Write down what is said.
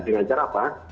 dengan cara apa